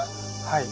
はい。